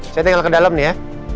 saya tinggal ke dalam nih ya